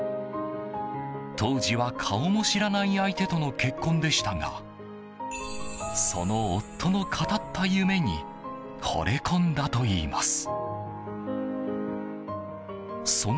当時は、顔も知らない相手との結婚でしたがその夫の語った夢に惚れ込んだといいます。